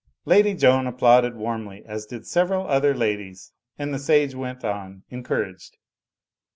Lady Joan applauded warmly, as did several other ladies, and the sage went on, encouraged.